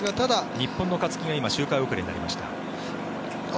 日本の勝木が今、周回遅れになりました。